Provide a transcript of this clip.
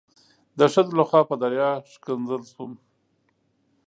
د ښځو لخوا په دریا ښکنځل شوم.